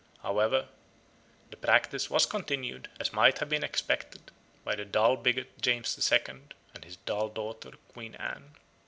However, the practice was continued, as might have been expected, by the dull bigot James the Second and his dull daughter Queen Anne.